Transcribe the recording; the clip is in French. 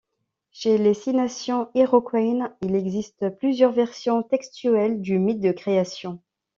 Chez les six nations iroquoïennes, il existe plusieurs versions textuelles du mythe de création.